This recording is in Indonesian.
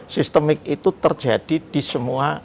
sistemik itu terjadi disemua